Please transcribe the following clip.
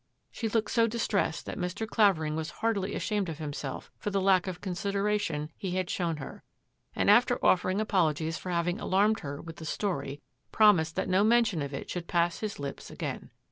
She looked so distressed that Mr. Clavering was heartily ashamed of himself for the lack of con sideration he had shown her, and, after offering apologies for having alarmed her with the story, promised that no mention of it should pass his lips again.